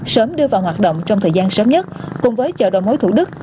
sớm đưa vào hoạt động trong thời gian sớm nhất cùng với chợ đầu mối thủ đức